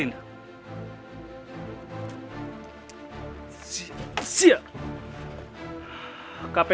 udah gak mau capek